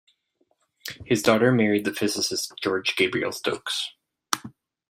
His daughter married the physicist George Gabriel Stokes.